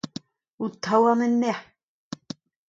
Ho taouarn en nec'h !